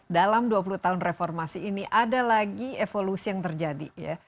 dalam dua puluh tahun reformasi ini ada lagi evolusi yang terjadi ya